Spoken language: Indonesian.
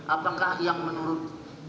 apakah yang menurut